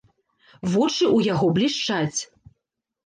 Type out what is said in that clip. Вочы ў яго блішчаць.